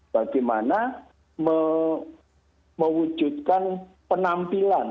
bagaimana mewujudkan penampilan